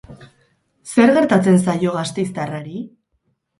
Zer gertatzen zaio gasteiztarrari?